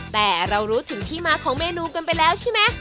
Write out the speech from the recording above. แต่เรารู้ถึงที่มาของเมนูกันไปแล้วใช่ไหม